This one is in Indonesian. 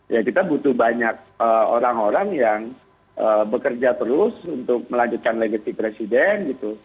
ya kita butuh banyak orang orang yang bekerja terus untuk melanjutkan legacy presiden gitu